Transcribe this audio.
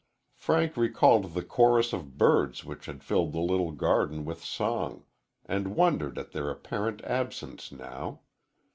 Frank recalled the chorus of birds which had filled the little garden with song, and wondered at their apparent absence now.